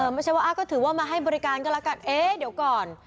ไม่ใช่ว่าก็ถือว่ามาให้บริการก็แล้วกันเอ๊ะเดี๋ยวก่อน